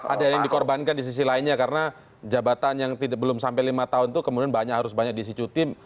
ada yang dikorbankan di sisi lainnya karena jabatan yang belum sampai lima tahun itu kemudian banyak harus banyak di situ tim